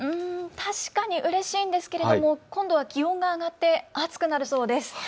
確かにうれしいんですけれども、今度は気温が上がって暑くなるそうです。